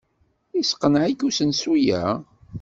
Yesseqneɛ-ik usensu-a?